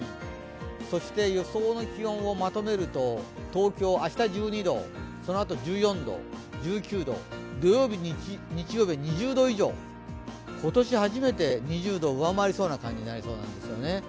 そして予想の気温をまとめると、東京、明日１２度、そのあと１４度、１９度土曜日、日曜日は２０度以上今年初めて２０度を上回りそうな感じになりそうなんですよね。